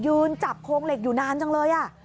จับโครงเหล็กอยู่นานจังเลย